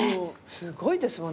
すごいですもんね